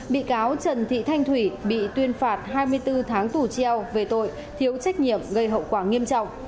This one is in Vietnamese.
bị cáo trần thị thanh thủy bị tuyên phạt hai mươi bốn tháng tù treo về tội thiếu trách nhiệm gây hậu quả nghiêm trọng